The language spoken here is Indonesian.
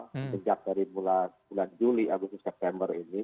sejak dari bulan juli agustus september ini